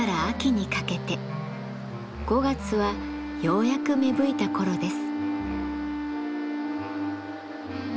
５月はようやく芽吹いたころです。